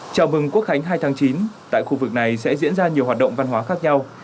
chào mừng quốc khánh hai tháng chín tại khu vực này sẽ diễn ra nhiều hoạt động văn hóa khác nhau